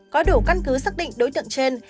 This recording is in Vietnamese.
có đủ căn cứ xác định đối tượng trên